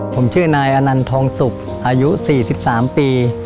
ผมชื่อนายอนันทองสุกอายุ๔๓ปี